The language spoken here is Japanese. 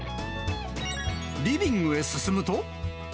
リビングへ進むと。